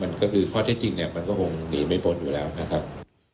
มันก็คือข้อเท็จจริงเนี่ยมันก็คงหนีไม่พ้นอยู่แล้วนะครับ